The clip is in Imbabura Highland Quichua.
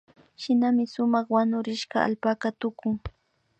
Shinami sumak wanurishka allpaka tukun